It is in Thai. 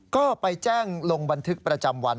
ก็ไปแจ้งลงบันทึกประจำวัน